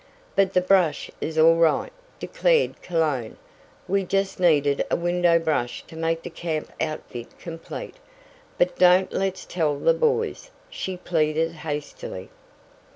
"But the brush is all right," declared Cologne. "We just needed a window brush to make the camp outfit complete. But don't let's tell the boys," she pleaded hastily.